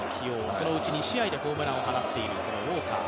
そのうち２試合でホームランを放っている、このウォーカー。